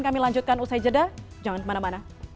kami lanjutkan usai jeda jangan kemana mana